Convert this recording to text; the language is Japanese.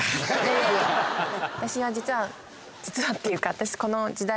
私実は実はっていうか。